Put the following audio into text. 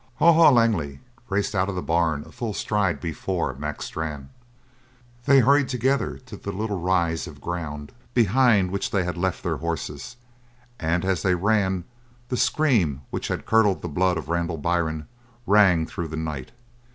Haw Haw Langley raced out of the barn a full stride before Mac Strann. They hurried together to the little rise of ground behind which they had left their horses, and as they ran the scream which had curdled the blood of Randall Byrne rang through the night.